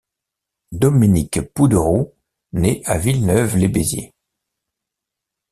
Dominique Pouderous nait à Villeneuve-lès-Béziers.